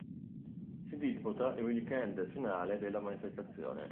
Si disputa il weekend finale della manifestazione.